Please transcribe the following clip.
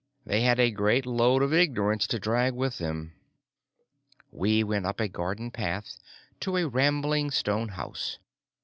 They had a great load of ignorance to drag with them. We went up a garden path to a rambling stone house.